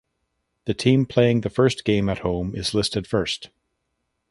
The team playing the first game at home is listed first.